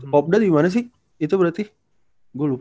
popda dimana sih itu berarti gua lupa